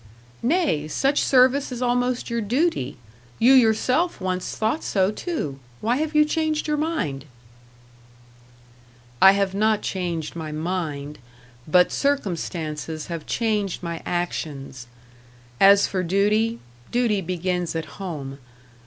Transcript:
"Nay, such service is almost your duty; you yourself once thought so too. Why have you changed your mind?" "I have not changed my mind, but circumstances have changed my actions. As for duty duty begins at home.